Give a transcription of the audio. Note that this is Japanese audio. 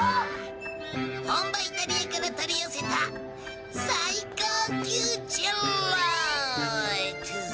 本場イタリアから取り寄せた最高級ジェラト！